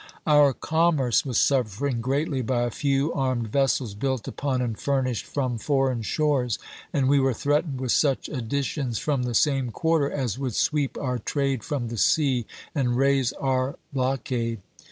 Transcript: ^ Our commerce was suffering greatly by a few armed vessels built upon and furnished from foreign shores, and we were threatened with such additions from the same quarter as would sweep our trade from the sea and raise our blockade.